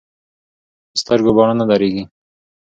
ـ په سترګو باڼه نه درنېږي.